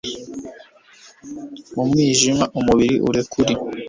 mu mwijima umubiri urekuri